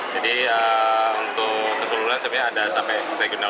jadi untuk keseluruhan sebenarnya ada sampai regional empat